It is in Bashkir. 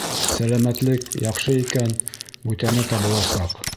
Сәләмәтлек яҡшы икән, бүтәне табыласаҡ.